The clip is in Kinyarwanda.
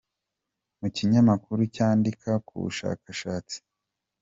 mu kinyamakuru cyandika ku bushakashatsi